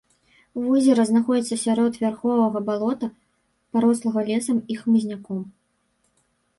Возера знаходзіцца сярод вярховага балота, парослага лесам і хмызняком.